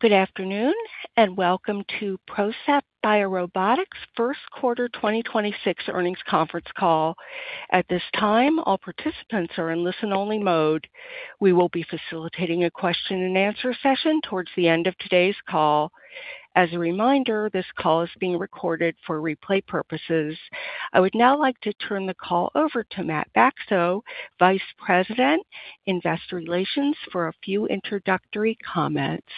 Good afternoon, and welcome to PROCEPT BioRobotics' first quarter 2026 earnings conference call. At this time, all participants are in listen-only mode. We will be facilitating a question-and-answer session towards the end of today's call. As a reminder, this call is being recorded for replay purposes. I would now like to turn the call over to Matt Bacso, Vice President, Investor Relations, for a few introductory comments.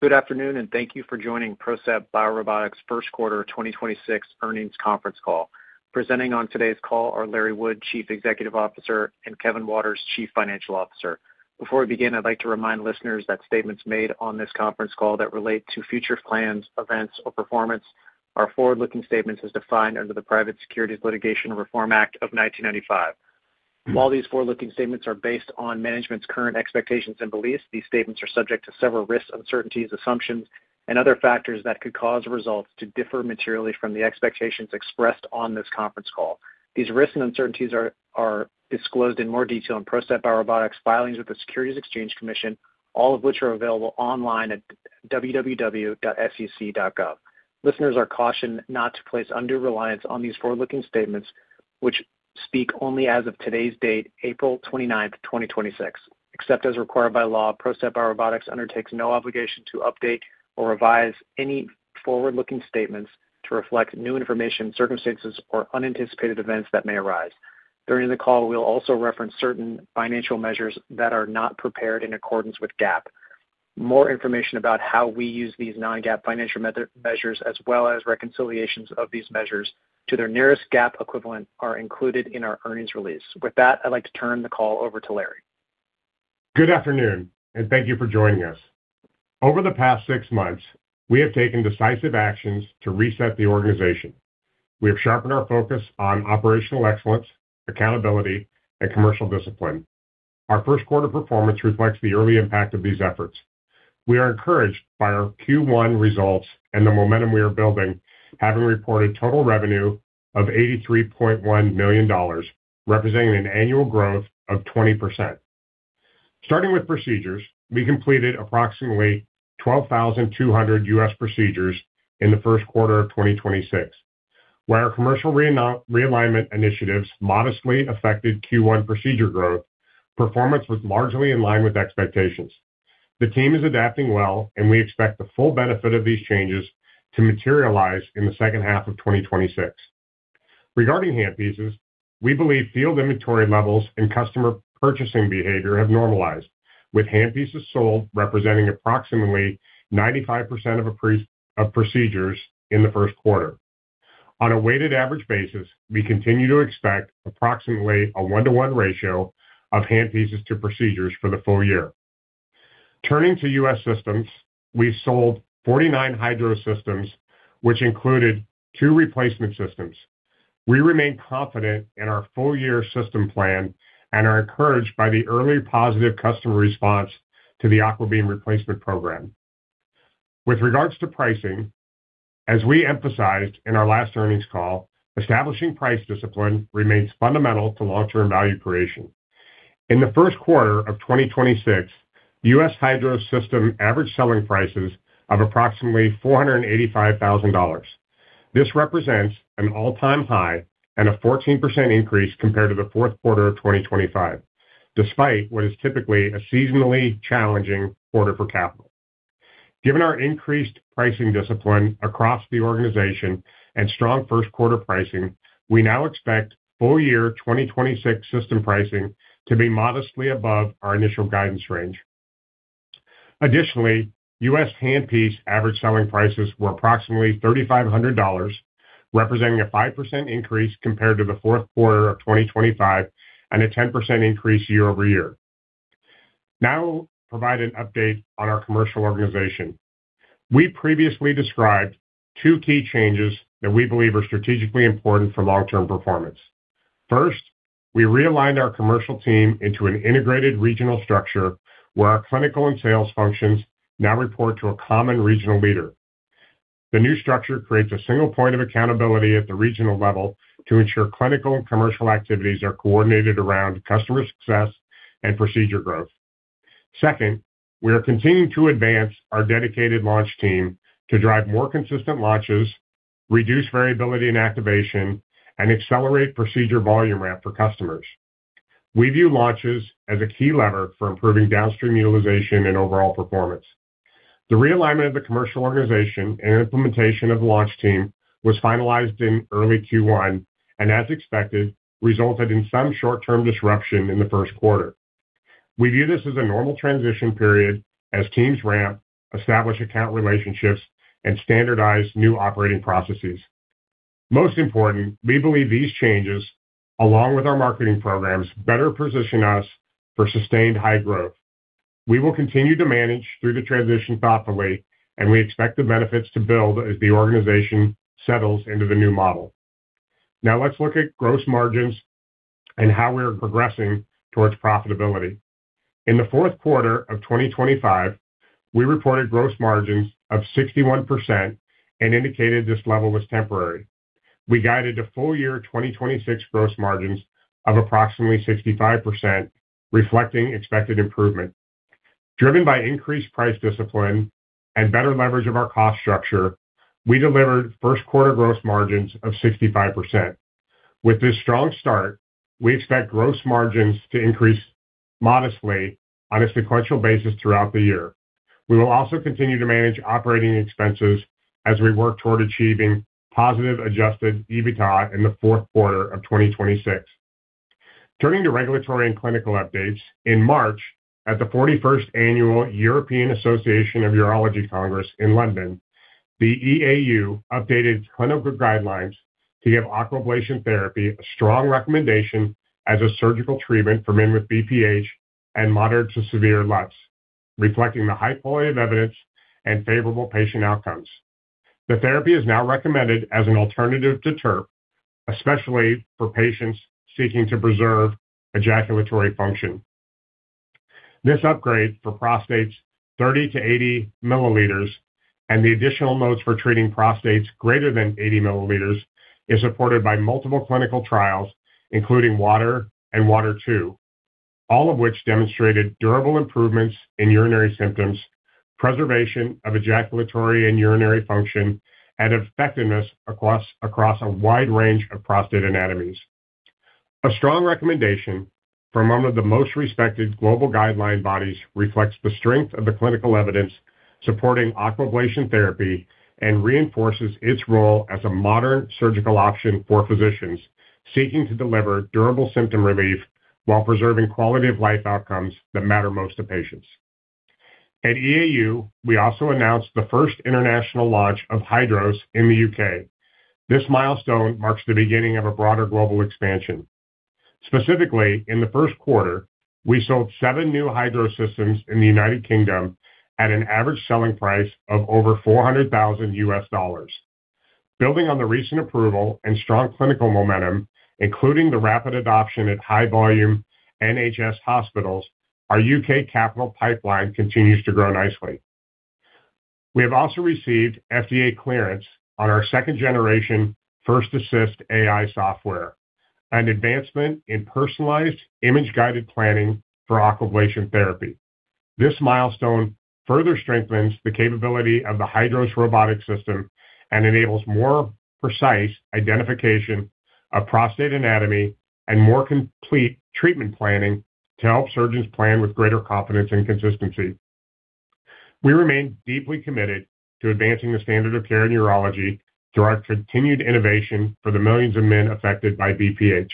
Good afternoon, thank you for joining PROCEPT BioRobotics first quarter 2026 earnings conference call. Presenting on today's call are Larry Wood, Chief Executive Officer, and Kevin Waters, Chief Financial Officer. Before we begin, I'd like to remind listeners that statements made on this conference call that relate to future plans, events or performance are forward-looking statements as defined under the Private Securities Litigation Reform Act of 1995. While these forward-looking statements are based on management's current expectations and beliefs, these statements are subject to several risks, uncertainties, assumptions and other factors that could cause results to differ materially from the expectations expressed on this conference call. These risks and uncertainties are disclosed in more detail in PROCEPT BioRobotics filings with the Securities and Exchange Commission, all of which are available online at www.sec.gov. Listeners are cautioned not to place undue reliance on these forward-looking statements, which speak only as of today's date, April 29th, 2026. Except as required by law, PROCEPT BioRobotics undertakes no obligation to update or revise any forward-looking statements to reflect new information, circumstances or unanticipated events that may arise. During the call, we'll also reference certain financial measures that are not prepared in accordance with GAAP. More information about how we use these non-GAAP financial measures as well as reconciliations of these measures to their nearest GAAP equivalent are included in our earnings release. With that, I'd like to turn the call over to Larry. Good afternoon, and thank you for joining us. Over the past six months, we have taken decisive actions to reset the organization. We have sharpened our focus on operational excellence, accountability and commercial discipline. Our first quarter performance reflects the early impact of these efforts. We are encouraged by our Q1 results and the momentum we are building, having reported total revenue of $83.1 million, representing an annual growth of 20%. Starting with procedures, we completed approximately 12,200 U.S. procedures in the first quarter of 2026, where our commercial realignment initiatives modestly affected Q1 procedure growth, performance was largely in line with expectations. The team is adapting well, and we expect the full benefit of these changes to materialize in the second half of 2026. Regarding handpieces, we believe field inventory levels and customer purchasing behavior have normalized, with handpieces sold representing approximately 95% of procedures in the first quarter. On a weighted average basis, we continue to expect approximately a 1-to-1 ratio of handpieces to procedures for the full year. Turning to U.S. systems, we sold 49 HYDROS systems, which included two replacement systems. We remain confident in our full-year system plan and are encouraged by the early positive customer response to the AquaBeam replacement program. With regards to pricing, as we emphasized in our last earnings call, establishing price discipline remains fundamental to long-term value creation. In the first quarter of 2026, U.S. HYDROS system average selling prices of approximately $485,000. This represents an all-time high and a 14% increase compared to the fourth quarter of 2025, despite what is typically a seasonally challenging quarter for capital. Given our increased pricing discipline across the organization and strong first quarter pricing, we now expect full year 2026 system pricing to be modestly above our initial guidance range. Additionally, U.S. handpiece average selling prices were approximately $3,500, representing a 5% increase compared to the fourth quarter of 2025 and a 10% increase year-over-year. Now I'll provide an update on our commercial organization. We previously described two key changes that we believe are strategically important for long-term performance. First, we realigned our commercial team into an integrated regional structure where our clinical and sales functions now report to a common regional leader. The new structure creates a single point of accountability at the regional level to ensure clinical and commercial activities are coordinated around customer success and procedure growth. Second, we are continuing to advance our dedicated launch team to drive more consistent launches, reduce variability in activation, and accelerate procedure volume ramp for customers. We view launches as a key lever for improving downstream utilization and overall performance. The realignment of the commercial organization and implementation of the launch team was finalized in early Q1, and as expected, resulted in some short-term disruption in the first quarter. We view this as a normal transition period as teams ramp, establish account relationships, and standardize new operating processes. Most important, we believe these changes, along with our marketing programs, better position us for sustained high growth. We will continue to manage through the transition thoughtfully, and we expect the benefits to build as the organization settles into the new model. Let's look at gross margins and how we are progressing towards profitability. In the fourth quarter of 2025, we reported gross margins of 61% and indicated this level was temporary. We guided the full year 2026 gross margins of approximately 65%, reflecting expected improvement. Driven by increased price discipline and better leverage of our cost structure, we delivered first quarter gross margins of 65%. With this strong start, we expect gross margins to increase modestly on a sequential basis throughout the year. We will also continue to manage operating expenses as we work toward achieving positive Adjusted EBITDA in the fourth quarter of 2026. Turning to regulatory and clinical updates. In March, at the 41st Annual European Association of Urology Congress in London, the EAU updated clinical guidelines to give Aquablation therapy a strong recommendation as a surgical treatment for men with BPH and moderate to severe LUTS, reflecting the high quality of evidence and favorable patient outcomes. The therapy is now recommended as an alternative to TURP, especially for patients seeking to preserve ejaculatory function. This upgrade for prostates 30 mL-80 mL and the additional modes for treating prostates greater than 80 mL is supported by multiple clinical trials, including WATER and WATER II, all of which demonstrated durable improvements in urinary symptoms, preservation of ejaculatory and urinary function, and effectiveness across a wide range of prostate anatomies. A strong recommendation from one of the most respected global guideline bodies reflects the strength of the clinical evidence supporting Aquablation therapy and reinforces its role as a modern surgical option for physicians seeking to deliver durable symptom relief while preserving quality-of-life outcomes that matter most to patients. At EAU, we also announced the first international launch of HYDROS in the U.K. This milestone marks the beginning of a broader global expansion. Specifically, in the first quarter, we sold seven new HYDROS systems in the United Kingdom at an average selling price of over $400,000. Building on the recent approval and strong clinical momentum, including the rapid adoption at high volume NHS hospitals, our U.K. capital pipeline continues to grow nicely. We have also received FDA clearance on our 2nd-generation FirstAssist AI software, an advancement in personalized image-guided planning for Aquablation therapy. This milestone further strengthens the capability of the HYDROS Robotic System and enables more precise identification of prostate anatomy and more complete treatment planning to help surgeons plan with greater confidence and consistency. We remain deeply committed to advancing the standard of care in urology through our continued innovation for the millions of men affected by BPH.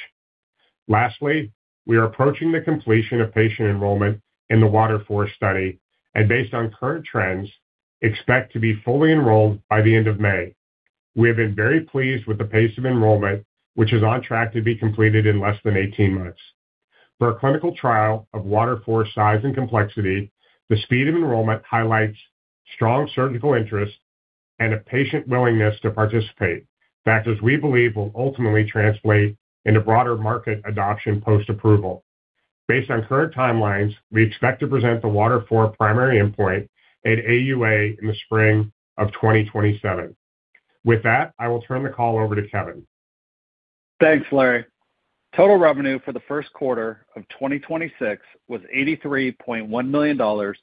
We are approaching the completion of patient enrollment in the WATER IV study and, based on current trends, expect to be fully enrolled by the end of May. We have been very pleased with the pace of enrollment, which is on track to be completed in less than 18 months. For a clinical trial of WATER IV size and complexity, the speed of enrollment highlights strong surgical interest and a patient willingness to participate. Factors we believe will ultimately translate into broader market adoption post-approval. Based on current timelines, we expect to present the WATER IV primary endpoint at AUA in the spring of 2027. With that, I will turn the call over to Kevin. Thanks, Larry. Total revenue for the first quarter of 2026 was $83.1 million,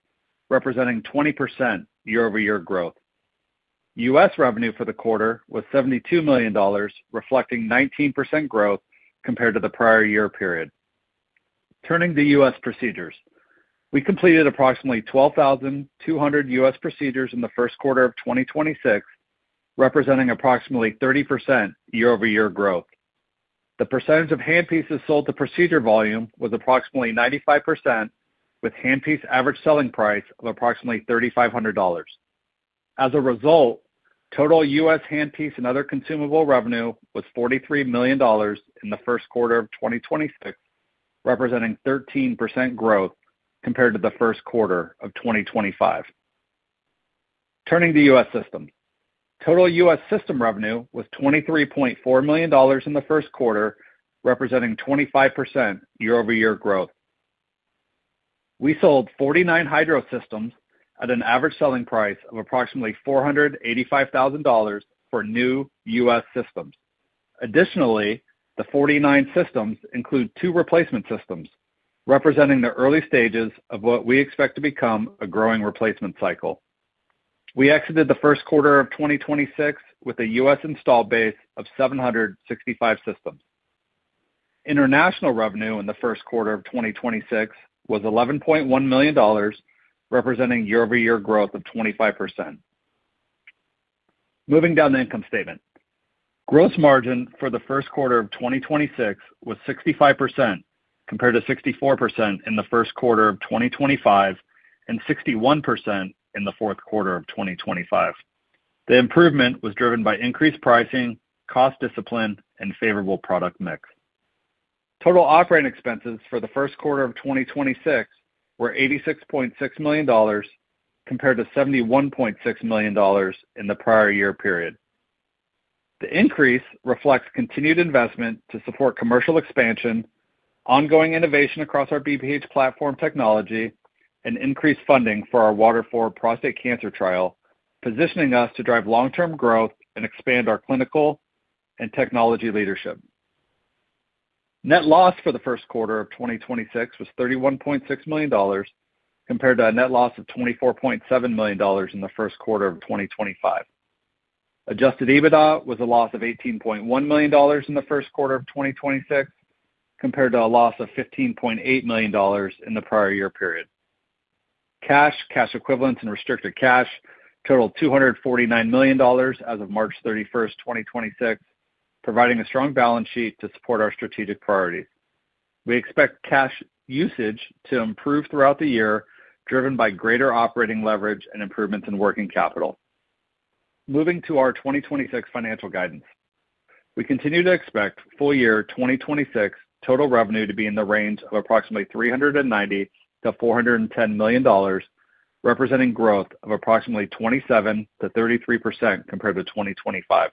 representing 20% year-over-year growth. U.S. revenue for the quarter was $72 million, reflecting 19% growth compared to the prior year period. Turning to U.S. procedures. We completed approximately 12,200 U.S. procedures in the first quarter of 2026, representing approximately 30% year-over-year growth. The percentage of handpieces sold to procedure volume was approximately 95%, with handpiece average selling price of approximately $3,500. As a result, total U.S. handpiece and other consumable revenue was $43 million in the first quarter of 2026, representing 13% growth compared to the first quarter of 2025. Turning to U.S. systems. Total U.S. system revenue was $23.4 million in the first quarter, representing 25% year-over-year growth. We sold 49 HYDROS systems at an average selling price of approximately $485,000 for new U.S. systems. Additionally, the 49 systems include two replacement systems, representing the early stages of what we expect to become a growing replacement cycle. We exited the first quarter of 2026 with a U.S. install base of 765 systems. International revenue in the first quarter of 2026 was $11.1 million, representing year-over-year growth of 25%. Moving down the income statement. Gross margin for the first quarter of 2026 was 65%, compared to 64% in the first quarter of 2025 and 61% in the fourth quarter of 2025. The improvement was driven by increased pricing, cost discipline, and favorable product mix. Total operating expenses for the first quarter of 2026 were $86.6 million, compared to $71.6 million in the prior year period. The increase reflects continued investment to support commercial expansion, ongoing innovation across our BPH platform technology, and increased funding for our WATER IV prostate cancer trial, positioning us to drive long-term growth and expand our clinical and technology leadership. Net loss for the first quarter of 2026 was $31.6 million compared to a net loss of $24.7 million in the first quarter of 2025. Adjusted EBITDA was a loss of $18.1 million in the first quarter of 2026 compared to a loss of $15.8 million in the prior year period. Cash, cash equivalents, and restricted cash totaled $249 million as of March 31, 2026, providing a strong balance sheet to support our strategic priorities. We expect cash usage to improve throughout the year, driven by greater operating leverage and improvements in working capital. Moving to our 2026 financial guidance. We continue to expect full year 2026 total revenue to be in the range of approximately $390 million-$410 million, representing growth of approximately 27%-33% compared to 2025.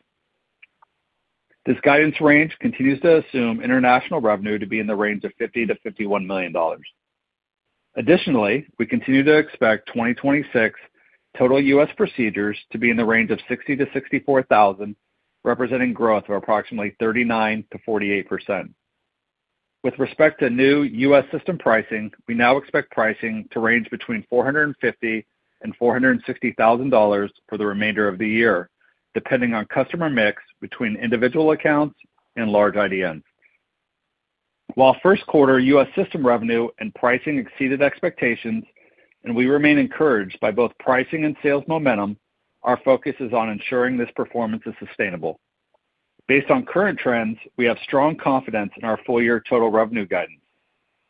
This guidance range continues to assume international revenue to be in the range of $50 million-$51 million. Additionally, we continue to expect 2026 total U.S. procedures to be in the range of 60,000-64,000, representing growth of approximately 39%-48%. With respect to new U.S. system pricing, we now expect pricing to range between $450,000-$460,000 for the remainder of the year, depending on customer mix between individual accounts and large IDNs. While first quarter U.S. system revenue and pricing exceeded expectations, and we remain encouraged by both pricing and sales momentum, our focus is on ensuring this performance is sustainable. Based on current trends, we have strong confidence in our full year total revenue guidance.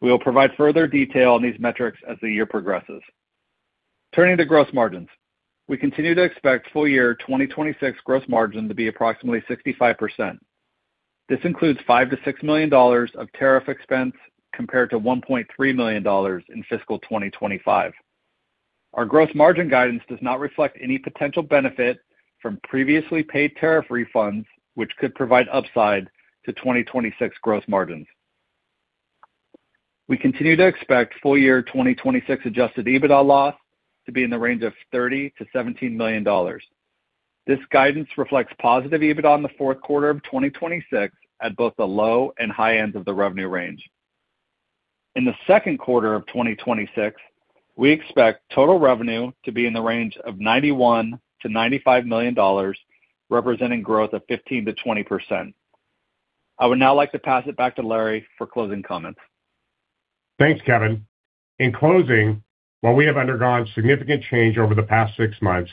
We will provide further detail on these metrics as the year progresses. Turning to gross margins. We continue to expect full year 2026 gross margin to be approximately 65%. This includes $5 million-$6 million of tariff expense compared to $1.3 million in fiscal 2025. Our gross margin guidance does not reflect any potential benefit from previously paid tariff refunds, which could provide upside to 2026 gross margins. We continue to expect full year 2026 Adjusted EBITDA loss to be in the range of $30 million-$17 million. This guidance reflects positive EBITDA in the fourth quarter of 2026 at both the low and high ends of the revenue range. In the second quarter of 2026, we expect total revenue to be in the range of $91 million-$95 million, representing growth of 15%-20%. I would now like to pass it back to Larry for closing comments. Thanks, Kevin. In closing, while we have undergone significant change over the past six months,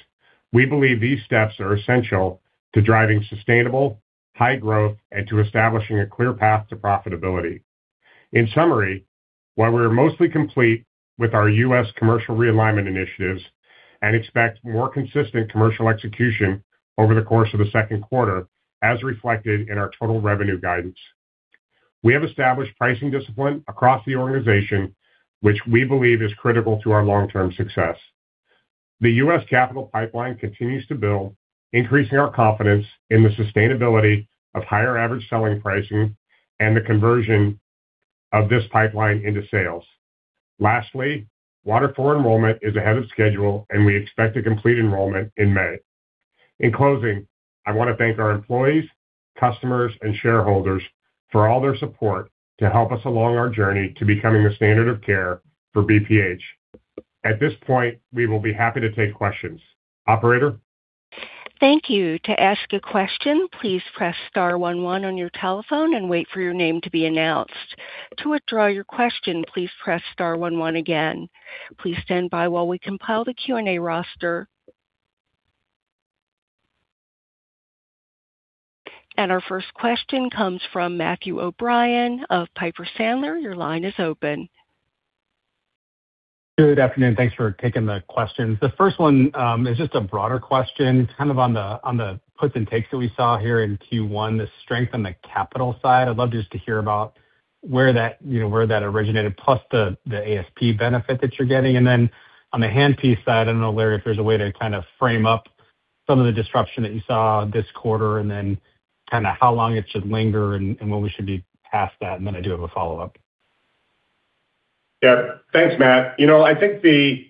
we believe these steps are essential to driving sustainable high growth and to establishing a clear path to profitability. In summary, while we are mostly complete with our U.S. commercial realignment initiatives and expect more consistent commercial execution over the course of the second quarter as reflected in our total revenue guidance, we have established pricing discipline across the organization, which we believe is critical to our long-term success. The U.S. capital pipeline continues to build, increasing our confidence in the sustainability of higher average selling pricing and the conversion of this pipeline into sales. Lastly, WATER IV enrollment is ahead of schedule, and we expect to complete enrollment in May. In closing, I want to thank our employees, customers, and shareholders for all their support to help us along our journey to becoming the standard of care for BPH. At this point, we will be happy to take questions. Operator? Our first question comes from Matthew O'Brien of Piper Sandler. Your line is open. Good afternoon. Thanks for taking the questions. The first one is just a broader question. It's kind of on the, on the puts and takes that we saw here in Q1, the strength on the capital side. I'd love just to hear about where that, you know, where that originated, plus the ASP benefit that you're getting. On the handpiece side, I don't know, Larry, if there's a way to kind of frame up some of the disruption that you saw this quarter and then kind of how long it should linger and when we should be past that. I do have a follow-up. Yeah. Thanks, Matt. You know, I think the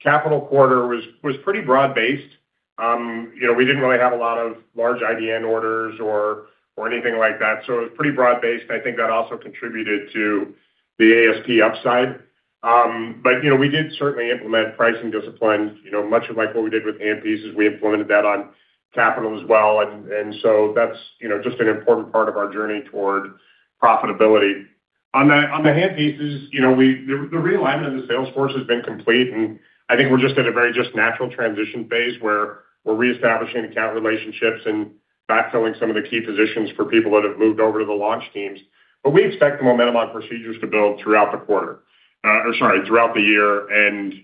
capital quarter was pretty broad-based. You know, we didn't really have a lot of large IDN orders or anything like that, so it was pretty broad-based, and I think that also contributed to the ASP upside. You know, we did certainly implement pricing discipline. You know, much of like what we did with handpieces, we implemented that on capital as well. That's, you know, just an important part of our journey toward profitability. On the handpieces, you know, the realignment of the sales force has been complete, and I think we're just at a very just natural transition phase where we're reestablishing account relationships and backfilling some of the key positions for people that have moved over to the launch teams. We expect the momentum on procedures to build throughout the quarter. Or sorry, throughout the year.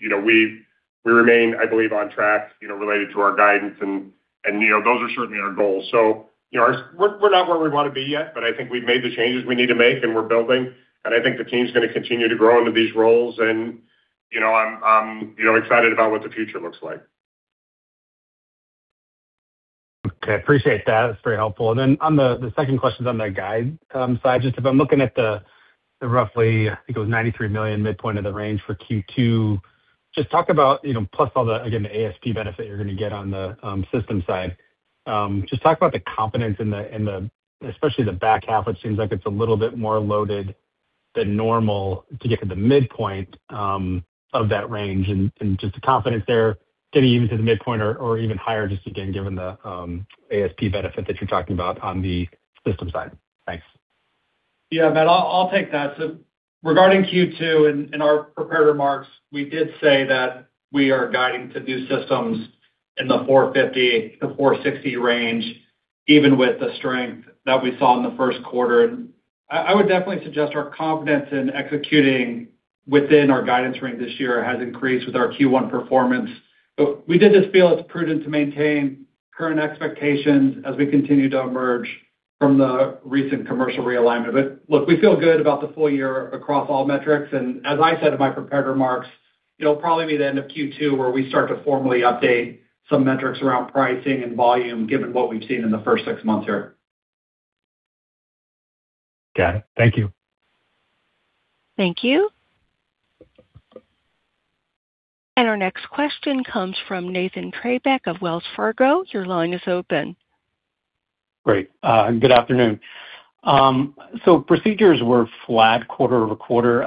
You know, we remain, I believe, on track, you know, related to our guidance and, you know, those are certainly our goals. You know, we're not where we wanna be yet, but I think we've made the changes we need to make, and we're building, and I think the team's gonna continue to grow into these roles. You know, I'm, you know, excited about what the future looks like. Okay, appreciate that. It's very helpful. On the second question on that guide side, just if I'm looking at the roughly, I think it was $93 million midpoint of the range for Q2, just talk about, you know, plus all the, again, the ASP benefit you're gonna get on the system side. Just talk about the confidence in the, in the, especially the back half, it seems like it's a little bit more loaded than normal to get to the midpoint of that range and just the confidence there getting even to the midpoint or even higher just again, given the ASP benefit that you're talking about on the system side. Thanks. Yeah, Matt, I'll take that. Regarding Q2 in our prepared remarks, we did say that we are guiding to new systems in the $450,000-$460,000 range, even with the strength that we saw in the first quarter. I would definitely suggest our confidence in executing within our guidance range this year has increased with our Q1 performance. We did just feel it's prudent to maintain current expectations as we continue to emerge from the recent commercial realignment. Look, we feel good about the full year across all metrics. As I said in my prepared remarks, it'll probably be the end of Q2 where we start to formally update some metrics around pricing and volume, given what we've seen in the first six months here. Got it. Thank you. Thank you. Our next question comes from Nathan Treybeck of Wells Fargo. Your line is open. Great. Good afternoon. Procedures were flat quarter-over-quarter.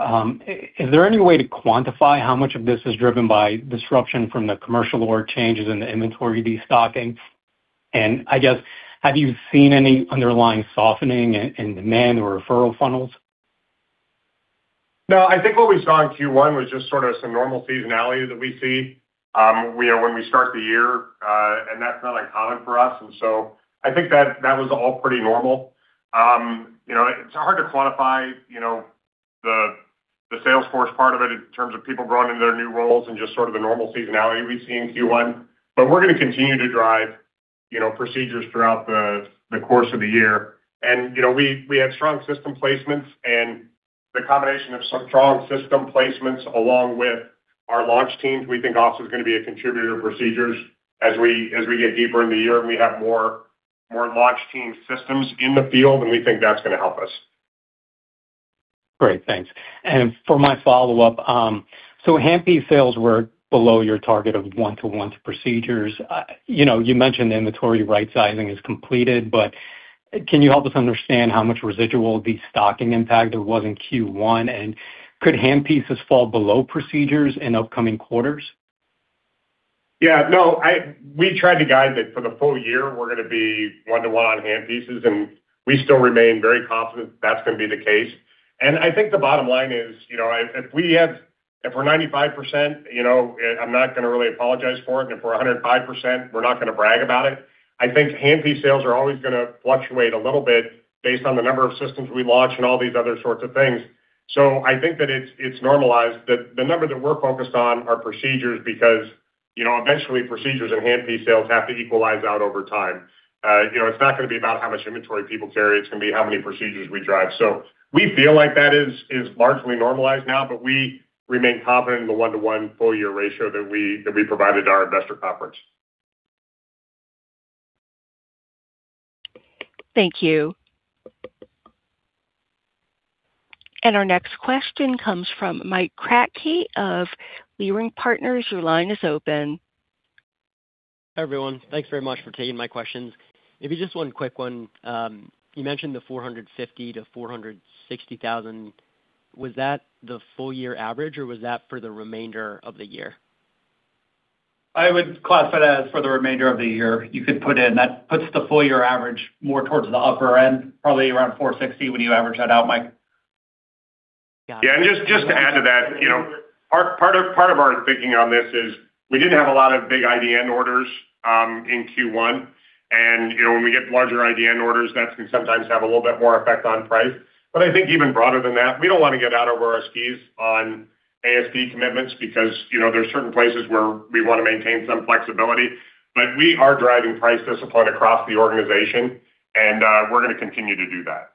Is there any way to quantify how much of this is driven by disruption from the commercial order changes in the inventory destocking? I guess, have you seen any underlying softening in demand or referral funnels? No, I think what we saw in Q1 was just sort of some normal seasonality that we see. We know when we start the year, and that's not uncommon for us. I think that was all pretty normal. You know, it's hard to quantify, you know, the sales force part of it in terms of people growing into their new roles and just sort of the normal seasonality we see in Q1. We're gonna continue to drive, you know, procedures throughout the course of the year. You know, we had strong system placements and the combination of some strong system placements along with our launch teams, we think also is gonna be a contributor to procedures as we, as we get deeper in the year and we have more launch team systems in the field, and we think that's gonna help us. Great. Thanks. For my follow-up, so handpiece sales were below your target of 1-to-1 to procedures. You know, you mentioned inventory rightsizing is completed, but can you help us understand how much residual destocking impact there was in Q1? Could handpieces fall below procedures in upcoming quarters? Yeah, no, we tried to guide that for the full year, we are going to be 1-to-1 on handpieces, and we still remain very confident that is going to be the case. I think the bottom line is, you know, if we are 95%, you know, I am not going to really apologize for it. If we are 105%, we are not going to brag about it. I think handpiece sales are always going to fluctuate a little bit based on the number of systems we launch and all these other sorts of things. I think that it is normalized. The number that we are focused on are procedures because, you know, eventually procedures and handpiece sales have to equalize out over time. You know, it is not going to be about how much inventory people carry, it is going to be how many procedures we drive. We feel like that is largely normalized now, but we remain confident in the 1-to-1 full year ratio that we provided at our investor conference. Thank you. Our next question comes from Mike Kratky of Leerink Partners. Your line is open. Hi, everyone. Thanks very much for taking my questions. Maybe just one quick one. You mentioned the $450,000-$460,000. Was that the full year average, or was that for the remainder of the year? I would classify it as for the remainder of the year. You could put in, that puts the full year average more towards the upper end, probably around $460,000 when you average that out, Mike. Got it. Yeah. Just to add to that, you know, part of our thinking on this is we didn't have a lot of big IDN orders in Q1. You know, when we get larger IDN orders, that can sometimes have a little bit more effect on price. I think even broader than that, we don't wanna get out over our skis on ASP commitments because, you know, there are certain places where we wanna maintain some flexibility. We are driving price discipline across the organization, we're gonna continue to do that.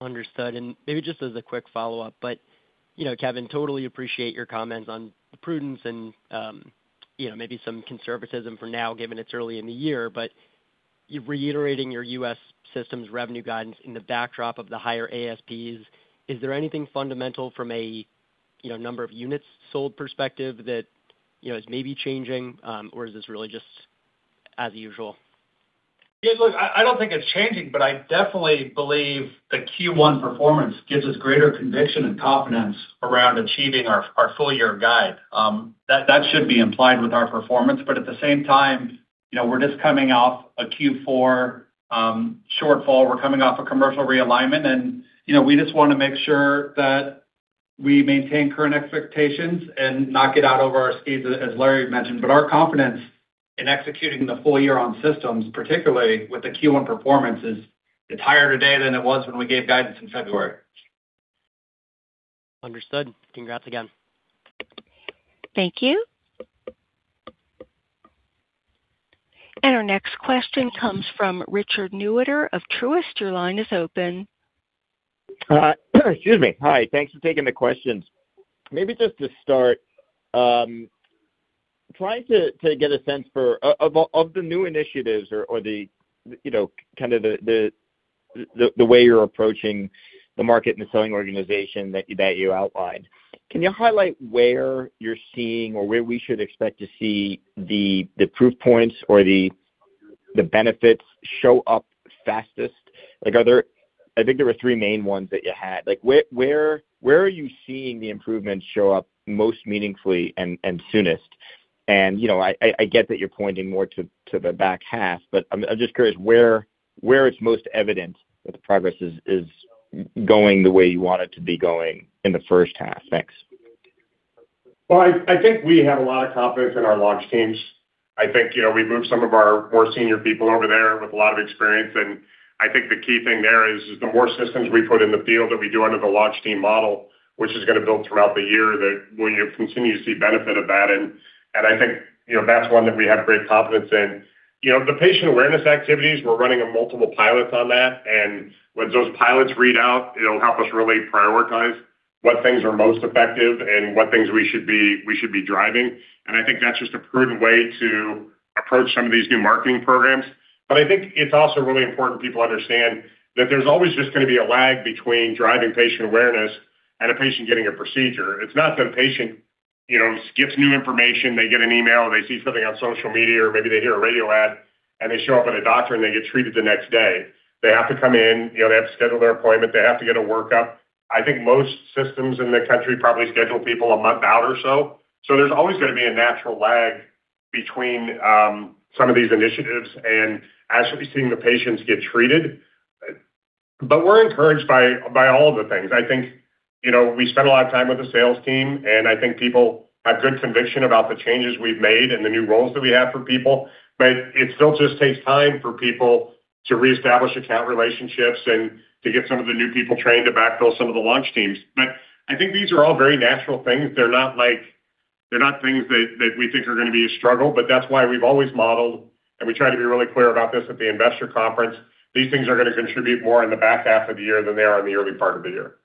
Understood. Maybe just as a quick follow-up, you know, Kevin, totally appreciate your comments on prudence and, you know, maybe some conservatism for now, given it's early in the year. You're reiterating your U.S. systems revenue guidance in the backdrop of the higher ASPs. Is there anything fundamental from a, you know, number of units sold perspective that, you know, is maybe changing? Or is this really just as usual? Yeah, look, I don't think it's changing, but I definitely believe the Q1 performance gives us greater conviction and confidence around achieving our full year guide. That should be implied with our performance. At the same time, you know, we're just coming off a Q4 shortfall. We're coming off a commercial realignment and, you know, we just wanna make sure that we maintain current expectations and not get out over our skis, as Larry mentioned. Our confidence in executing the full year on systems, particularly with the Q1 performance, is higher today than it was when we gave guidance in February. Understood. Congrats again. Thank you. Our next question comes from Richard Newitter of Truist. Your line is open. Excuse me. Hi, thanks for taking the questions. Maybe just to start, trying to get a sense for, of the new initiatives or the, you know, kind of the way you're approaching the market and the selling organization that you outlined. Can you highlight where you're seeing or where we should expect to see the proof points or the benefits show up fastest? Like, are there, I think there were three main ones that you had. Like, where are you seeing the improvements show up most meaningfully and soonest? You know, I get that you're pointing more to the back half, but I'm just curious where it's most evident that the progress is going the way you want it to be going in the first half. Thanks. Well, I think we have a lot of confidence in our launch teams. I think, you know, we moved some of our more senior people over there with a lot of experience, and I think the key thing there is the more systems we put in the field that we do under the launch team model, which is gonna build throughout the year, that we continue to see benefit of that. I think, you know, that's one that we have great confidence in. You know, the patient awareness activities, we're running a multiple pilots on that. Once those pilots read out, it'll help us really prioritize what things are most effective and what things we should be, we should be driving. I think that's just a prudent way to approach some of these new marketing programs. I think it's also really important people understand that there's always just gonna be a lag between driving patient awareness and a patient getting a procedure. It's not that a patient, you know, gets new information, they get an email, they see something on social media or maybe they hear a radio ad, and they show up at a doctor and they get treated the next day. They have to come in, you know, they have to schedule their appointment, they have to get a workup. I think most systems in the country probably schedule people a month out or so. There's always gonna be a natural lag between some of these initiatives and actually seeing the patients get treated. We're encouraged by all of the things. I think, you know, we spend a lot of time with the sales team, and I think people have good conviction about the changes we've made and the new roles that we have for people. It still just takes time for people to reestablish account relationships and to get some of the new people trained to backfill some of the launch teams. I think these are all very natural things. They're not like, they're not things that we think are gonna be a struggle, but that's why we've always modeled, and we try to be really clear about this at the investor conference, these things are gonna contribute more in the back half of the year than they are in the early part of the year.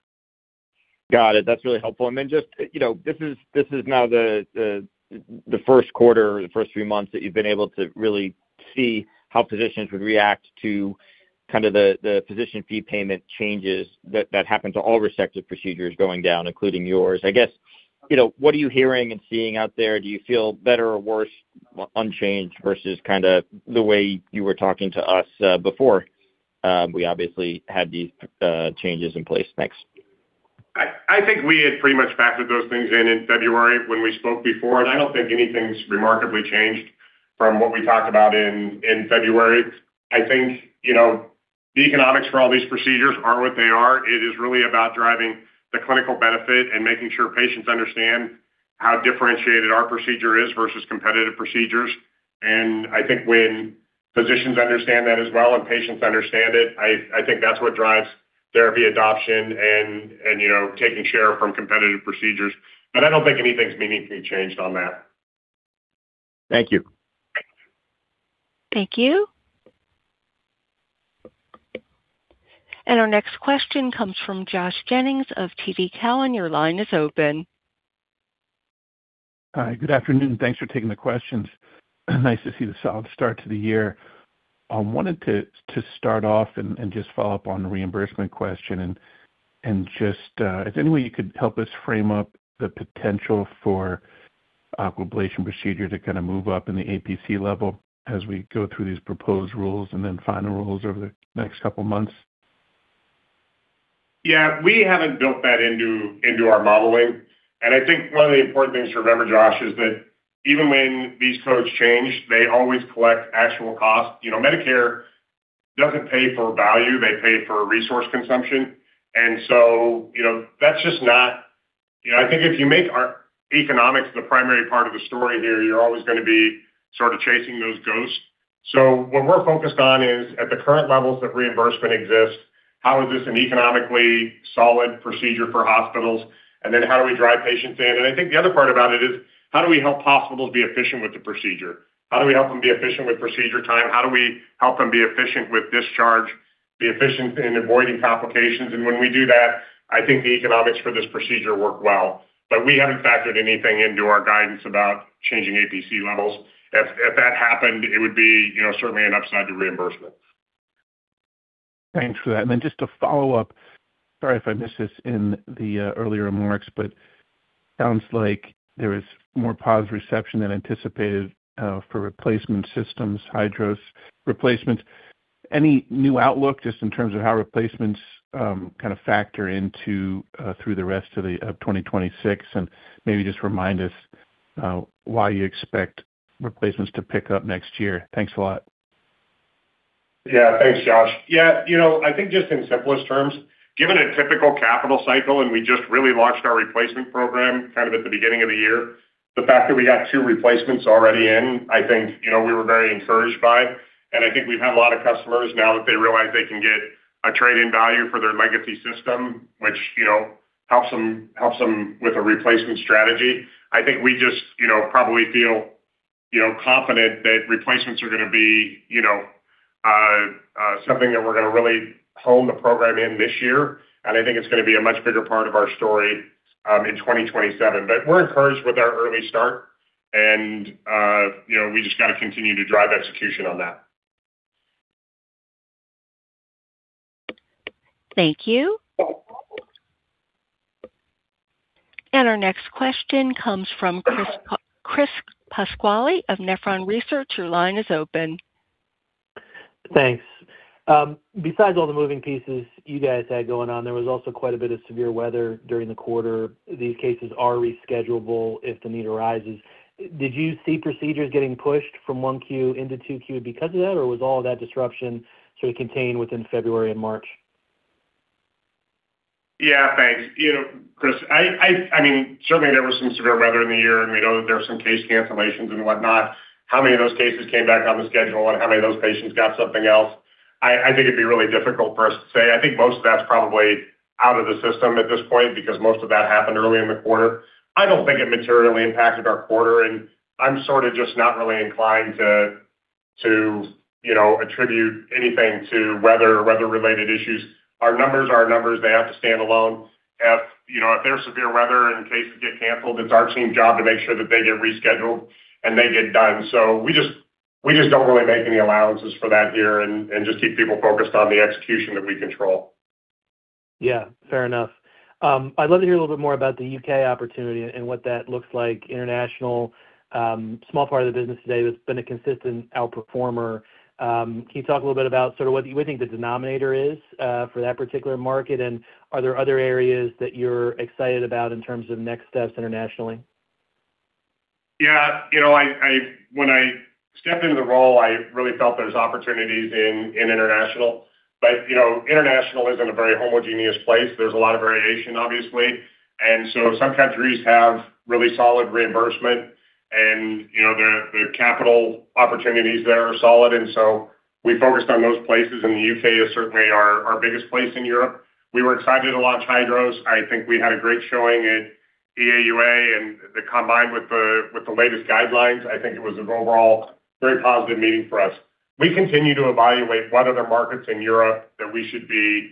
Got it. That's really helpful. Just, you know, this is now the first quarter or the first three months that you've been able to really see how physicians would react to kind of the physician fee payment changes that happened to all resective procedures going down, including yours. I guess, you know, what are you hearing and seeing out there? Do you feel better or worse, unchanged versus kind of the way you were talking to us before we obviously had these changes in place? Thanks. I think we had pretty much factored those things in in February when we spoke before. I don't think anything's remarkably changed from what we talked about in February. I think, you know, the economics for all these procedures are what they are. It is really about driving the clinical benefit and making sure patients understand how differentiated our procedure is versus competitive procedures. I think when physicians understand that as well and patients understand it, I think that's what drives therapy adoption and, you know, taking share from competitive procedures. I don't think anything's meaningfully changed on that. Thank you. Thank you. Our next question comes from Josh Jennings of TD Cowen. Your line is open. Hi. Good afternoon. Thanks for taking the questions. Nice to see the solid start to the year. I wanted to start off and just follow up on the reimbursement question and just, if any way you could help us frame up the potential for Aquablation procedure to kinda move up in the APC level as we go through these proposed rules and then final rules over the next couple months? Yeah. We haven't built that into our modeling. I think one of the important things to remember, Josh, is that even when these codes change, they always collect actual costs. You know, Medicare doesn't pay for value, they pay for resource consumption. You know, I think if you make our economics the primary part of the story here, you're always gonna be sort of chasing those ghosts. What we're focused on is, at the current levels that reimbursement exists, how is this an economically solid procedure for hospitals? How do we drive patients in? I think the other part about it is, how do we help hospitals be efficient with the procedure? How do we help them be efficient with procedure time? How do we help them be efficient with discharge, be efficient in avoiding complications? When we do that, I think the economics for this procedure work well. We haven't factored anything into our guidance about changing APC levels. If that happened, it would be, you know, certainly an upside to reimbursement. Thanks for that. Just to follow up, sorry if I missed this in the earlier remarks, but sounds like there is more positive reception than anticipated for replacement systems, HYDROS replacements. Any new outlook just in terms of how replacements kinda factor into through the rest of the 2026? Maybe just remind us why you expect replacements to pick up next year. Thanks a lot. Yeah. Thanks, Josh. Yeah. You know, I think just in simplest terms, given a typical capital cycle, we just really launched our replacement program kind of at the beginning of the year, the fact that we got two replacements already in, I think, you know, we were very encouraged by. I think we've had a lot of customers now that they realize they can get a trade-in value for their legacy system, which, you know, helps them with a replacement strategy. I think we just, you know, probably feel confident that replacements are going to be, you know, something that we're going to really hone the program in this year, I think it's going to be a much bigger part of our story in 2027. We're encouraged with our early start and, you know, we just gotta continue to drive execution on that. Thank you. Our next question comes from Chris Pasquale of Nephron Research. Your line is open. Thanks. Besides all the moving pieces you guys had going on, there was also quite a bit of severe weather during the quarter. These cases are reschedulable if the need arises. Did you see procedures getting pushed from 1Q into 2Q because of that, or was all of that disruption sort of contained within February and March? Yeah, thanks. You know, Chris, I mean, certainly there was some severe weather in the year, and we know that there were some case cancellations and whatnot. How many of those cases came back on the schedule and how many of those patients got something else? I think it'd be really difficult for us to say. I think most of that's probably out of the system at this point because most of that happened early in the quarter. I don't think it materially impacted our quarter, and I'm sort of just not really inclined to, you know, attribute anything to weather or weather-related issues. Our numbers are our numbers. They have to stand alone. If, you know, if there's severe weather and cases get canceled, it's our team's job to make sure that they get rescheduled and they get done. We just don't really make any allowances for that here and just keep people focused on the execution that we control. Yeah, fair enough. I'd love to hear a little bit more about the U.K. opportunity and what that looks like. International, small part of the business today that's been a consistent outperformer. Can you talk a little bit about sort of what you think the denominator is for that particular market? Are there other areas that you're excited about in terms of next steps internationally? Yeah. You know, when I stepped into the role, I really felt there was opportunities in international. You know, international isn't a very homogeneous place. There's a lot of variation, obviously. Some countries have really solid reimbursement and, you know, the capital opportunities there are solid, and so we focused on those places, and the U.K. is certainly our biggest place in Europe. We were excited to launch HYDROS. I think we had a great showing at EAU, and combined with the latest guidelines, I think it was an overall very positive meeting for us. We continue to evaluate what other markets in Europe that we should be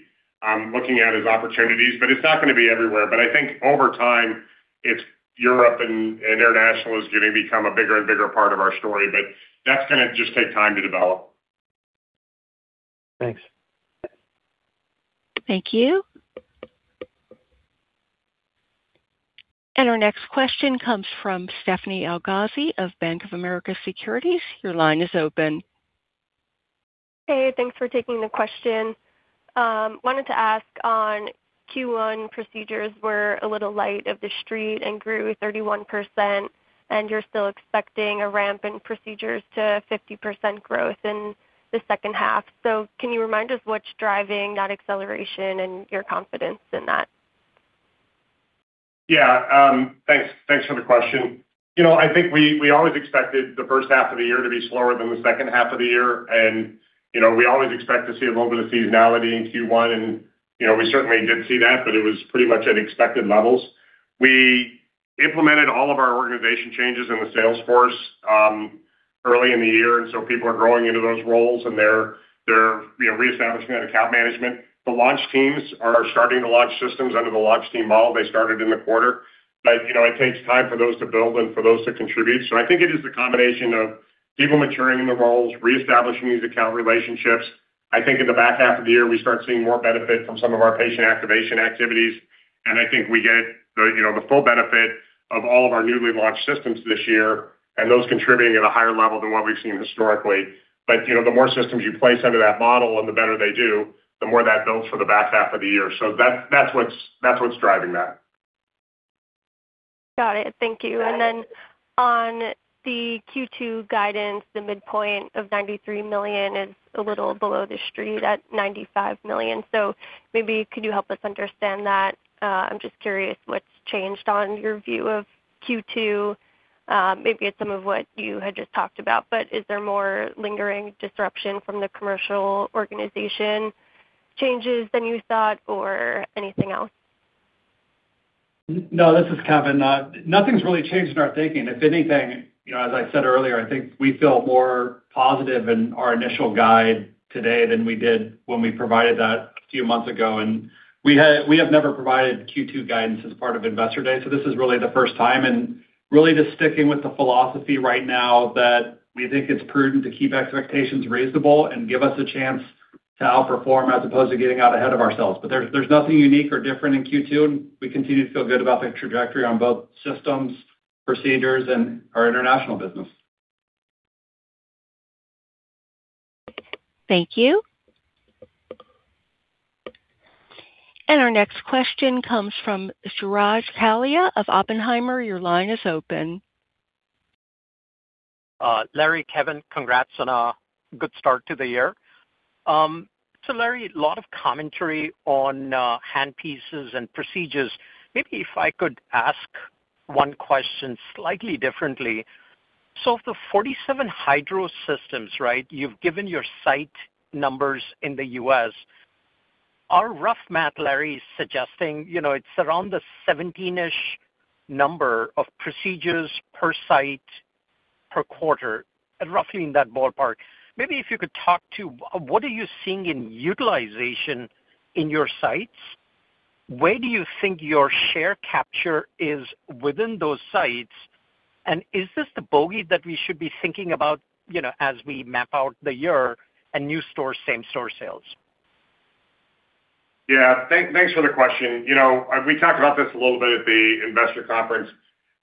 looking at as opportunities, but it's not gonna be everywhere. I think over time, it's Europe and international is gonna become a bigger and bigger part of our story. That's gonna just take time to develop. Thanks. Thank you. Our next question comes from Stephanie Elghazi of Bank of America Securities. Your line is open. Hey, thanks for taking the question. Wanted to ask on Q1 procedures were a little light of the street and grew 31%, and you're still expecting a ramp in procedures to 50% growth in the second half. Can you remind us what's driving that acceleration and your confidence in that? Yeah. Thanks. Thanks for the question. You know, I think we always expected the first half of the year to be slower than the second half of the year. You know, we always expect to see a little bit of seasonality in Q1, and, you know, we certainly did see that, but it was pretty much at expected levels. We implemented all of our organization changes in the sales force early in the year, and so people are growing into those roles, and they're, you know, reestablishing that account management. The launch teams are starting to launch systems under the launch team model. They started in the quarter. You know, it takes time for those to build and for those to contribute. I think it is the combination of people maturing in the roles, reestablishing these account relationships. I think in the back half of the year, we start seeing more benefit from some of our patient activation activities, and I think we get the, you know, the full benefit of all of our newly launched systems this year and those contributing at a higher level than what we've seen historically. You know, the more systems you place under that model and the better they do, the more that builds for the back half of the year. That's what's driving that. Got it. Thank you. On the Q2 guidance, the midpoint of $93 million is a little below the street at $95 million. Maybe could you help us understand that? I'm just curious what's changed on your view of Q2. Maybe it's some of what you had just talked about, but is there more lingering disruption from the commercial organization changes than you thought or anything else? No, this is Kevin. Nothing's really changed in our thinking. If anything, you know, as I said earlier, I think we feel more positive in our initial guide today than we did when we provided that a few months ago. We have never provided Q2 guidance as part of Investor Day. This is really the first time, and really just sticking with the philosophy right now that we think it's prudent to keep expectations reasonable and give us a chance to outperform as opposed to getting out ahead of ourselves. There's nothing unique or different in Q2, and we continue to feel good about the trajectory on both systems, procedures, and our international business. Thank you. Our next question comes from Suraj Kalia of Oppenheimer. Your line is open. Larry, Kevin, congrats on a good start to the year. Larry, a lot of commentary on handpieces and procedures. Maybe if I could ask one question slightly differently. Of the 47 HYDROS systems, right, you've given your site numbers in the U.S. Our rough math, Larry, is suggesting, you know, it's around the 17-ish number of procedures per site per quarter, roughly in that ballpark. Maybe if you could talk to what are you seeing in utilization in your sites? Where do you think your share capture is within those sites? Is this the bogey that we should be thinking about, you know, as we map out the year and new store, same store sales? Yeah. Thanks for the question. You know, we talked about this a little bit at the investor conference.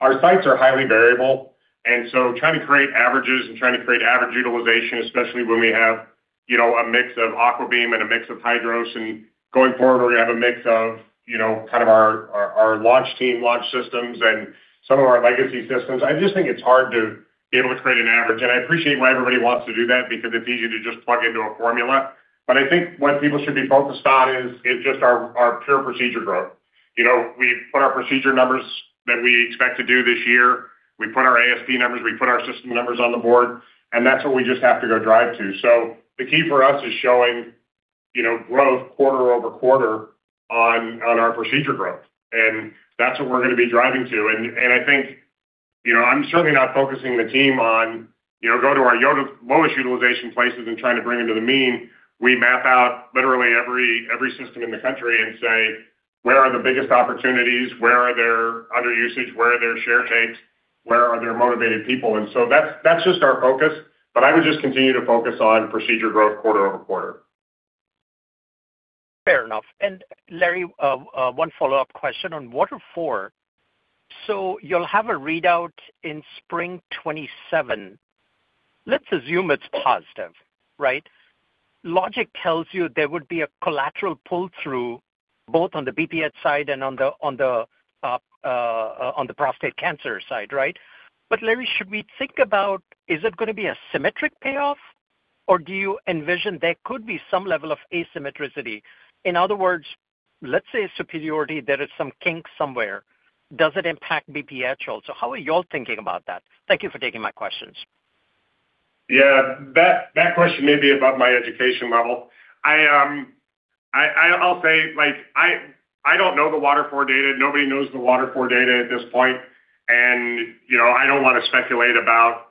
Our sites are highly variable, and so trying to create averages and trying to create average utilization, especially when we have, you know, a mix of AquaBeam and a mix of HYDROS, and going forward, we're going to have a mix of, you know, kind of our launch team, launch systems and some of our legacy systems. I just think it's hard to be able to create an average. I appreciate why everybody wants to do that because it's easy to just plug into a formula. I think what people should be focused on is just our pure procedure growth. You know, we put our procedure numbers that we expect to do this year. We put our ASP numbers, we put our system numbers on the board, that's what we just have to go drive to. The key for us is showing, you know, growth quarter-over-quarter on our procedure growth. That's what we're going to be driving to. I think, you know, I'm certainly not focusing the team on, you know, go to our lowest utilization places and trying to bring them to the mean. We map out literally every system in the country and say, "Where are the biggest opportunities? Where are there under usage? Where are there share takes? Where are there motivated people?" That's just our focus. I would just continue to focus on procedure growth quarter-over-quarter. Fair enough. Larry, one follow-up question on WATER IV. You'll have a readout in spring 2027. Let's assume it's positive, right? Logic tells you there would be a collateral pull-through both on the BPH side and on the prostate cancer side, right? Larry, should we think about is it gonna be a symmetric payoff, or do you envision there could be some level of asymmetricity? In other words, let's say superiority, there is some kink somewhere. Does it impact BPH also? How are you all thinking about that? Thank you for taking my questions. Yeah. That question may be above my education level. I'll say, like I don't know the WATER IV data. Nobody knows the WATER IV data at this point. You know, I don't wanna speculate about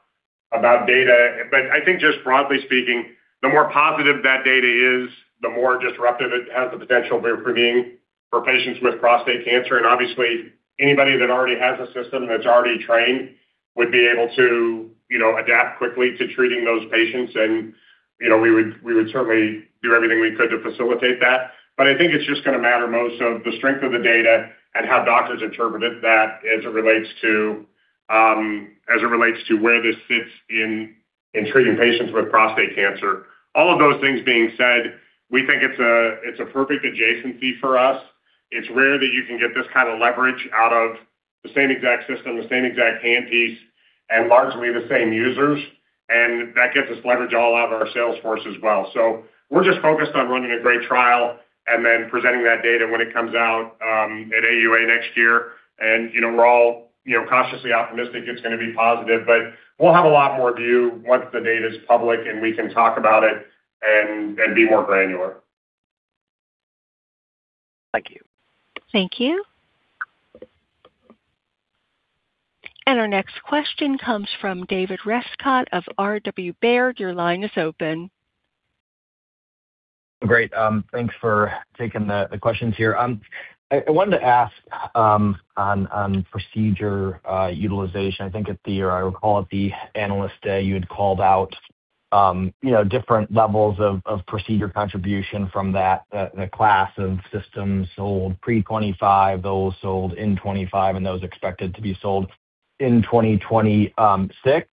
data. I think just broadly speaking, the more positive that data is, the more disruptive it has the potential for being for patients with prostate cancer. Obviously, anybody that already has a system that's already trained would be able to, you know, adapt quickly to treating those patients. You know, we would certainly do everything we could to facilitate that. I think it's just gonna matter most of the strength of the data and how doctors interpreted that as it relates to, as it relates to where this fits in treating patients with prostate cancer. All of those things being said, we think it's a perfect adjacency for us. It's rare that you can get this kind of leverage out of the same exact system, the same exact handpiece, and largely the same users. That gets us leverage all out of our sales force as well. We're just focused on running a great trial and then presenting that data when it comes out at AUA next year. You know, we're all, you know, cautiously optimistic it's gonna be positive. We'll have a lot more view once the data is public, and we can talk about it and be more granular. Thank you. Thank you. Our next question comes from David Rescott of RW Baird. Your line is open. Great. Thanks for taking the questions here. I wanted to ask on procedure utilization. I recall at the Investor Day, you had called out, you know, different levels of procedure contribution from that, the class of systems sold pre 2025, those sold in 2025 and those expected to be sold in 2026.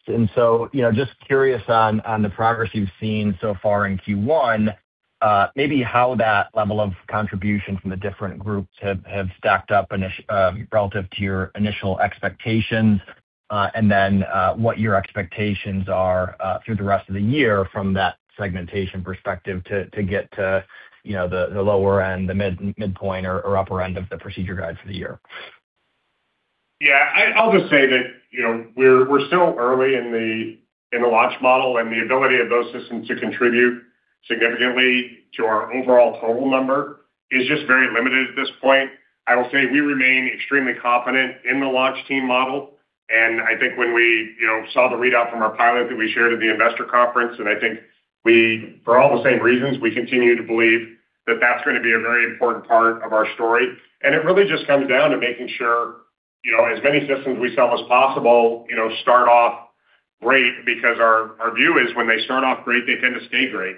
You know, just curious on the progress you've seen so far in Q1, maybe how that level of contribution from the different groups have stacked up relative to your initial expectations, and then what your expectations are through the rest of the year from that segmentation perspective to get to, you know, the lower end, the midpoint or upper end of the procedure guide for the year. Yeah. I'll just say that, you know, we're still early in the, in the launch model and the ability of those systems to contribute significantly to our overall total number is just very limited at this point. I will say we remain extremely confident in the launch team model, and I think when we, you know, saw the readout from our pilot that we shared at the investor conference, and I think for all the same reasons, we continue to believe that that's gonna be a very important part of our story. It really just comes down to making sure, you know, as many systems we sell as possible, you know, start off great because our view is when they start off great, they tend to stay great.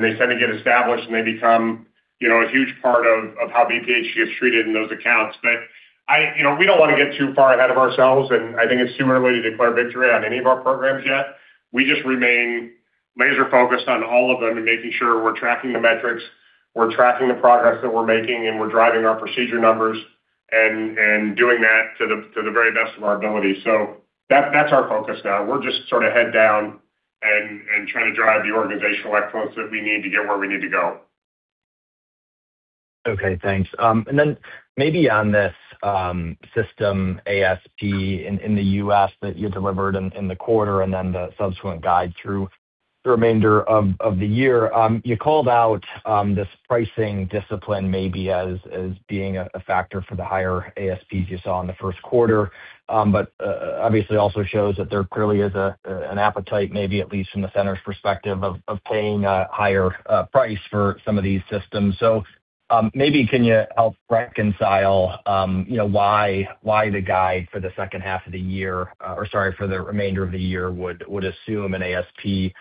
They tend to get established and they become, you know, a huge part of how BPH gets treated in those accounts. You know, we don't wanna get too far ahead of ourselves, and I think it's too early to declare victory on any of our programs yet. We just remain laser-focused on all of them and making sure we're tracking the metrics, we're tracking the progress that we're making, and we're driving our procedure numbers and doing that to the, to the very best of our ability. That, that's our focus now. We're just sort of head down and trying to drive the organizational excellence that we need to get where we need to go. Thanks. Maybe on this system ASP in the U.S. that you delivered in the quarter and then the subsequent guide through the remainder of the year. You called out this pricing discipline maybe being a factor for the higher ASPs you saw in the first quarter. Obviously also shows that there clearly is an appetite, maybe at least from the center's perspective paying a higher price for some of these systems. Maybe can you help reconcile why the guide for the second half of the year or sorry, for the remainder of the year would assume an ASP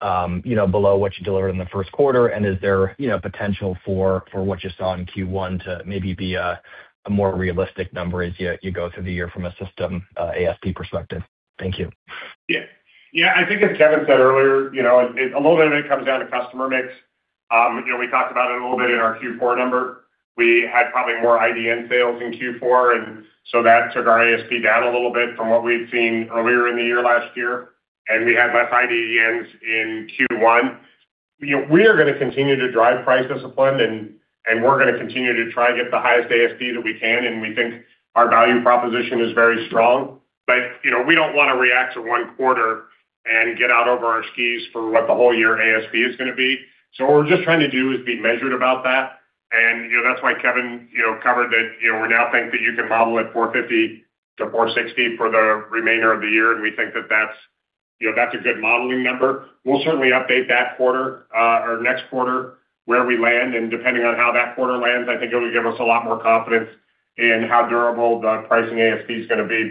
below what you delivered in the first quarter? Is there, you know, potential for what you saw in Q1 to maybe be a more realistic number as you go through the year from a system ASP perspective? Thank you. Yeah. Yeah, I think as Kevin said earlier, you know, it, a little bit of it comes down to customer mix. You know, we talked about it a little bit in our Q4 number. We had probably more IDN sales in Q4, and so that took our ASP down a little bit from what we'd seen earlier in the year last year, and we had less IDNs in Q1. You know, we are gonna continue to drive price discipline and we're gonna continue to try and get the highest ASP that we can, and we think our value proposition is very strong. You know, we don't wanna react to one quarter and get out over our skis for what the whole year ASP is gonna be. What we're just trying to do is be measured about that. You know, that's why Kevin, you know, covered that, you know, we now think that you can model at $450,000-$460,000 for the remainder of the year, and we think that that's, you know, that's a good modeling number. We'll certainly update that quarter or next quarter where we land. Depending on how that quarter lands, I think it'll give us a lot more confidence in how durable the pricing ASP is going to be.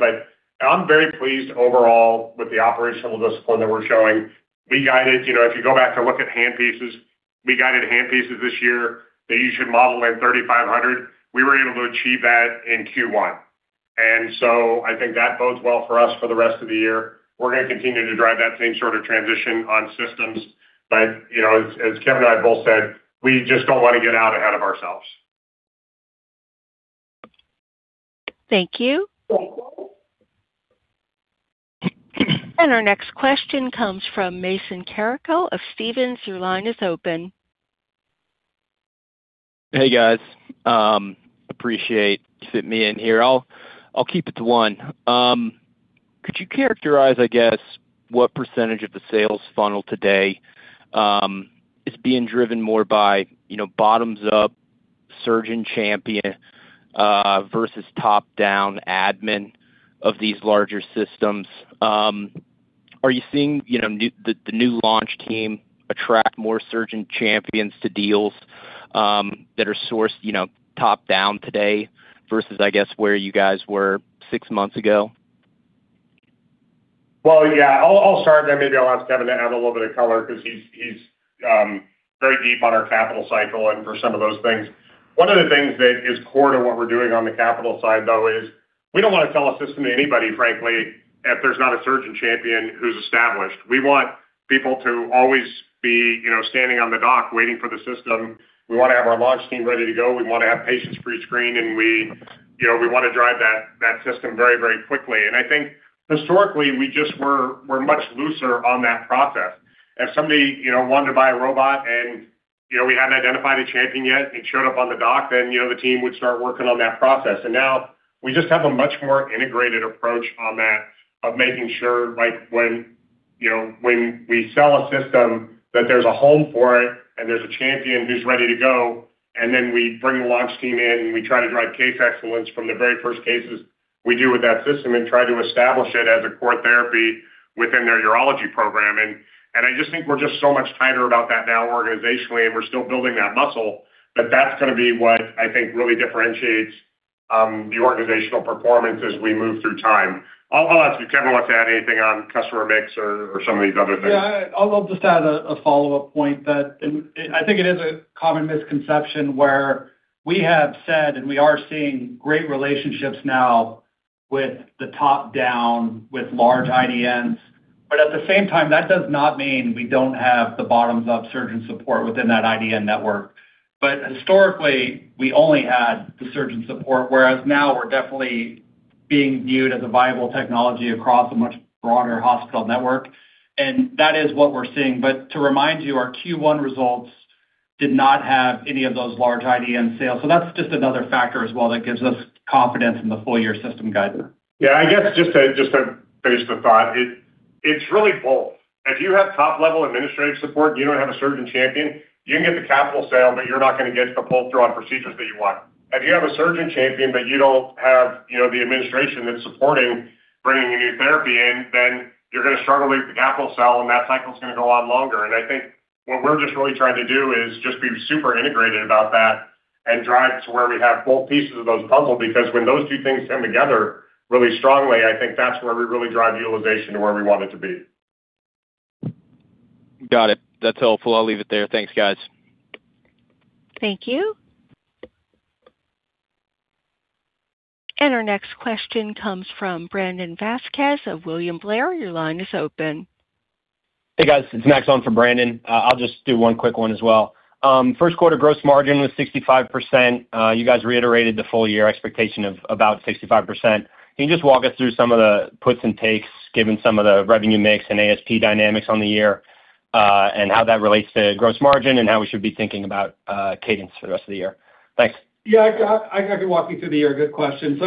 I'm very pleased overall with the operational discipline that we're showing. We guided, you know, if you go back to look at handpieces, we guided handpieces this year that you should model at $3,500. We were able to achieve that in Q1, and so I think that bodes well for us for the rest of the year. We're gonna continue to drive that same sort of transition on systems, but, you know, as Kevin and I both said, we just don't wanna get out ahead of ourselves. Thank you. Our next question comes from Mason Carrico of Stephens. Your line is open. Hey, guys. Appreciate you fit me in here. I'll keep it to one. Could you characterize, I guess, what percentage of the sales funnel today is being driven more by, you know, bottoms up surgeon champion versus top-down admin of these larger systems? Are you seeing, you know, the new launch team attract more surgeon champions to deals that are sourced, you know, top-down today versus, I guess, where you guys were six months ago? Well, yeah. I'll start, then maybe I'll ask Kevin to add a little bit of color 'cause he's very deep on our capital cycle and for some of those things. One of the things that is core to what we're doing on the capital side, though, is we don't wanna sell a system to anybody, frankly, if there's not a surgeon champion who's established. We want people to always be, you know, standing on the dock waiting for the system. We wanna have our launch team ready to go. We wanna have patients pre-screened, and we, you know, we wanna drive that system very, very quickly. I think historically, we just were much looser on that process. If somebody, you know, wanted to buy a robot, and, you know, we hadn't identified a champion yet, it showed up on the dock, then, you know, the team would start working on that process. Now we just have a much more integrated approach on that of making sure, like when, you know, when we sell a system, that there's a home for it and there's a champion who's ready to go. Then we bring the launch team in, and we try to drive case excellence from the very first cases we do with that system and try to establish it as a core therapy within their urology program. I just think we're just so much tighter about that now organizationally, and we're still building that muscle. That's gonna be what I think really differentiates the organizational performance as we move through time. I'll ask you, Kevin, want to add anything on customer mix or some of these other things? Yeah, I'll just add a follow-up point that I think it is a common misconception where we have said, and we are seeing great relationships now with the top-down, with large IDNs. At the same time, that does not mean we don't have the bottoms-up surgeon support within that IDN network. Historically, we only had the surgeon support, whereas now we're definitely being viewed as a viable technology across a much broader hospital network, and that is what we're seeing. To remind you, our Q1 results did not have any of those large IDN sales, that's just another factor as well that gives us confidence in the full-year system guidance. I guess just to, just to finish the thought, it's really both. If you have top-level administrative support and you don't have a surgeon champion, you can get the capital sale, but you're not gonna get the pull-through on procedures that you want. If you have a surgeon champion, but you don't have, you know, the administration that's supporting bringing a new therapy in, then you're gonna struggle to get the capital sale, and that cycle is gonna go on longer. I think what we're just really trying to do is just be super integrated about that and drive to where we have both pieces of those puzzle. Because when those two things come together really strongly, I think that's where we really drive utilization to where we want it to be. Got it. That's helpful. I'll leave it there. Thanks, guys. Thank you. Our next question comes from Brandon Vazquez of William Blair. Your line is open. Hey, guys. It's Max on for Brandon. I'll just do one quick one as well. First quarter gross margin was 65%. You guys reiterated the full year expectation of about 65%. Can you just walk us through some of the puts and takes, given some of the revenue mix and ASP dynamics on the year, and how that relates to gross margin and how we should be thinking about cadence for the rest of the year? Thanks. I can walk you through the year. Good question.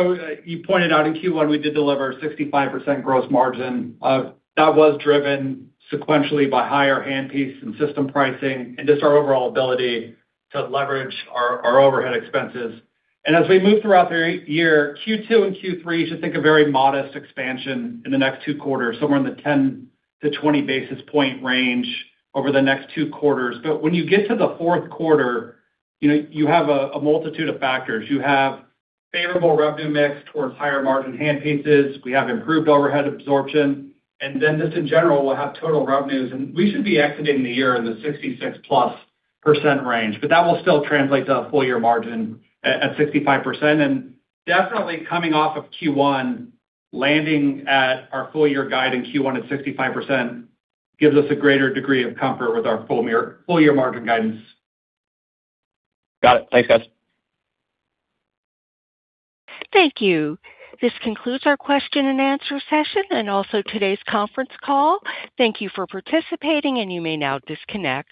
You pointed out in Q1 we did deliver 65% gross margin. That was driven sequentially by higher handpiece and system pricing and just our overall ability to leverage our overhead expenses. As we move throughout the year, Q2 and Q3 should take a very modest expansion in the next two quarters, somewhere in the 10 basis points-20 basis points range over the next two quarters. When you get to the fourth quarter, you know, you have a multitude of factors. You have favorable revenue mix towards higher-margin handpieces. We have improved overhead absorption. Then just in general, we'll have total revenues, and we should be exiting the year in the 66%+ range. That will still translate to a full-year margin at 65%. Definitely coming off of Q1, landing at our full-year guide in Q1 at 65% gives us a greater degree of comfort with our full-year margin guidance. Got it. Thanks, guys. Thank you. This concludes our question-and-answer session and also today's conference call. Thank you for participating, and you may now disconnect.